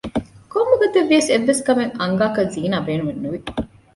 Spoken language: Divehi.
ކޮންމެ ގޮތެއް ވިޔަސް އެއްވެސް ކަމެއް އަންގާކަށް ޒީނާ ބޭނުމެއް ނުވި